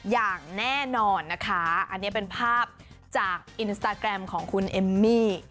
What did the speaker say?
อย่างแน่นอนนะคะอันนี้เป็นภาพจากอินสตาแกรมของคุณเอมมี่